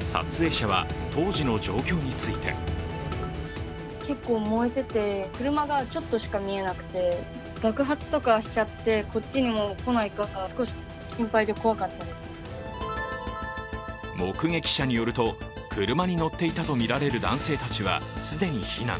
撮影者は当時の状況について目撃者によると、車に乗っていたとみられる男性たちは既に避難。